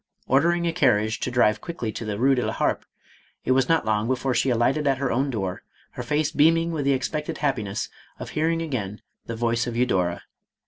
Ordering a carriage to drive quickly to the Eue de la Harpe, it was not long before she alighted at her own door, her face beaming with the expected happiness of hearing again the voice of Eudora.